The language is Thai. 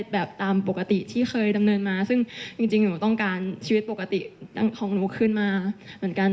แบบตามปกติที่เคยดำเนินมาซึ่งจริงหนูต้องการชีวิตปกติของหนูคืนมาเหมือนกัน